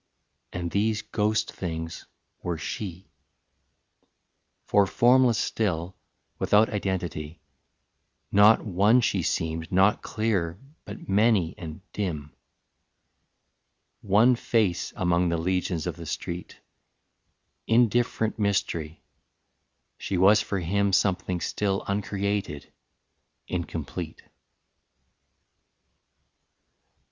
And these ghost things were she; For formless still, without identity, Not one she seemed, not clear, but many and dim. One face among the legions of the street, Indifferent mystery, she was for him Something still uncreated, incomplete.